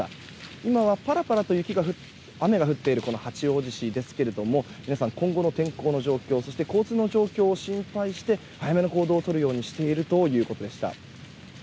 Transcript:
今はパラパラと雨が降っている八王子市ですけれども皆さん、今後の天候の状況そして交通の状況を心配して早めの行動をとるようにしているということでした。